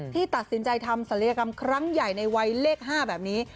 ที่ตัดสินใจทำศัลยกรรมครั้งใหญ่ในวัยเลข๕แบบนี้